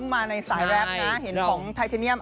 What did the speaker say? มาในสายแรปน่ะ